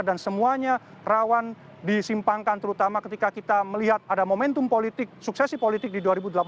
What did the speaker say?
dan semuanya rawan disimpangkan terutama ketika kita melihat ada momentum politik suksesi politik di dua ribu delapan belas